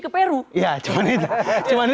ke peru ya cuman itu